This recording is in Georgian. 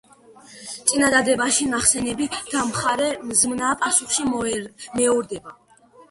წინადადებაში ნახსენები დამხმარე ზმნა პასუხში მეორდება.